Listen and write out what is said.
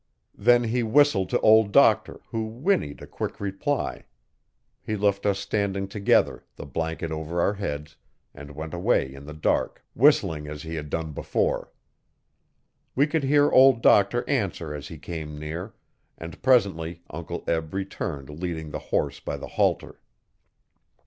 Then he whistled to Old Doctor, who whinnied a quick reply. He left us standing together, the blanket over our heads, and went away in the dark whistling as he had done before. We could hear Old Doctor answer as he came near, and presently Uncle Eb returned leading the horse by the halter.